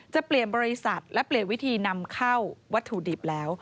จะเปลี่ยนบริษัทและเปลี่ยนวิธีนำเข้าวัตถุดิบแล้ว